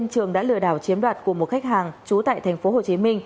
của một khách hàng trú tại tp hcm